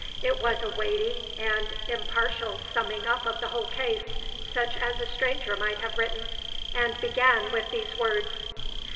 It was a weighty and, impartial summing up of the whole case, such as a stranger might have written, and began, with these words.